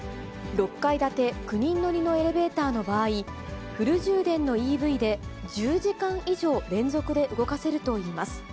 ６階建て９人乗りのエレベーターの場合、フル充電のＥＶで１０時間以上、連続で動かせるといいます。